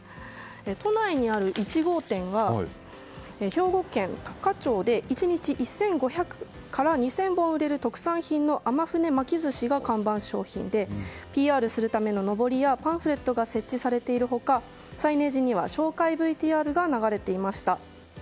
都内にある１号店は兵庫県多可町で１日に１５００から２０００本売れる特産品の天船巻きずしが看板商品でＰＲするためののぼりやパンフレットが設置されている他サイネージには紹介ＶＴＲが流れていました。